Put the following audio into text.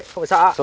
không phải sợ